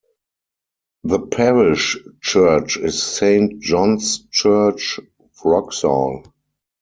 The parish church is Saint John's Church, Wroxall.